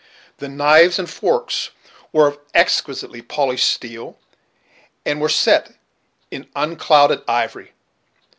The knives and forks were of exquisitely polished steel, and were set in unclouded ivory.